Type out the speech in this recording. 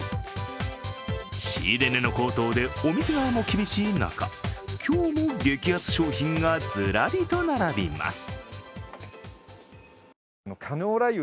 仕入れ値の高騰でお店側も厳しい中、今日も激安商品がずらりと並びます。